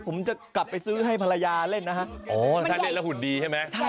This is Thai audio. ผมจะกลับไปซื้อให้ภรรยาเล่นนะฮะอ๋อถ้าเล่นแล้วหุ่นดีใช่ไหม